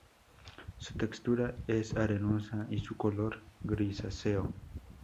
Su textura es arenosa y su color grisáceo.